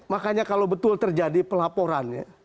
makanya kalau betul terjadi pelaporan